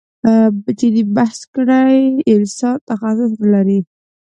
جدي بحث کړی کسان تخصص نه لري.